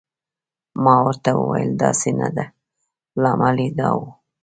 ما ورته وویل: داسې نه ده، لامل یې دا و.